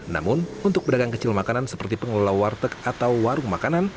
namun untuk pedagang kecil makanan seperti pengelola warteg atau warung makanan